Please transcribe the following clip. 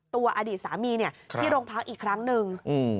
อดีตสามีเนี่ยที่โรงพักอีกครั้งหนึ่ง